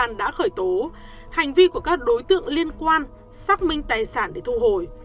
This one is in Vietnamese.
công an đã khởi tố hành vi của các đối tượng liên quan xác minh tài sản để thu hồi